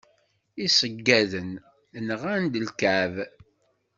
Iseyyaḍen nɣan-d ikεeb.